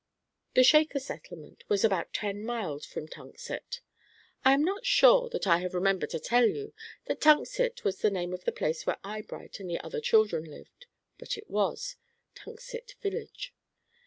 The Shaker settlement was about ten miles from Tunxet. I am not sure that I have remembered to tell you that Tunxet was the name of the place where Eyebright and the other children lived, but it was, Tunxet Village.